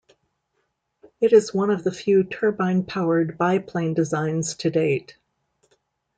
It is one of the few turbine-powered biplane designs to date.